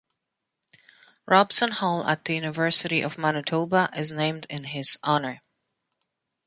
Robson Hall at the University of Manitoba is named in his honour.